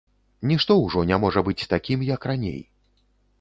Нішто ўжо не можа быць такім, як раней.